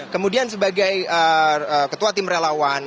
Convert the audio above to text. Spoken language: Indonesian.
kemudian sebagai ketua tim relawan